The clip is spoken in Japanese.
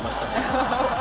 ハハハハ！